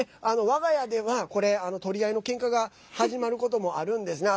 わが家では、これ取り合いのけんかが始まることもあるんですね。